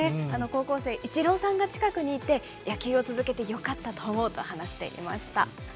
高校生、イチローさんが近くにいて、野球を続けてよかったと思うと話していました。